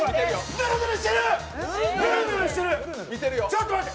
ちょっと待って！